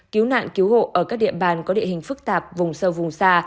cứu nạn cứu hộ ở các địa bàn có địa hình phức tạp vùng sâu vùng xa